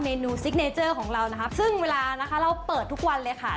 นูซิกเนเจอร์ของเรานะครับซึ่งเวลานะคะเราเปิดทุกวันเลยค่ะ